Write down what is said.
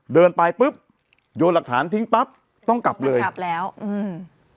เดินไปปุ๊บโยนหลักฐานทิ้งปั๊บต้องกลับเลยกลับแล้วอืม